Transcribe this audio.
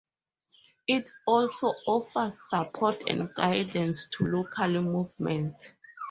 It also offers support and guidance to local movements.